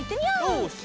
よし！